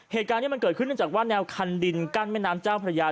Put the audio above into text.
เหตุการณ์นี้มันเกิดขึ้นเนื่องจากว่าแนวคันดินกั้นแม่น้ำเจ้าพระยา